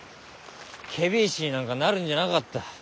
検非違使になんかなるんじゃなかった。